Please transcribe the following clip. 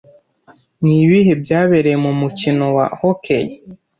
ni bihe byabereye mu mukino wa Hockey